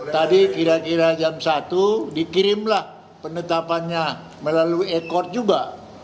tadi kira kira jam satu dikirimlah penetapannya melalui ekor juga